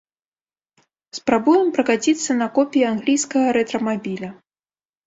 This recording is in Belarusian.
Спрабуем пракаціцца на копіі англійскага рэтра-мабіля.